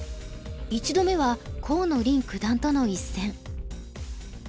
１度目は河野臨九段との一戦。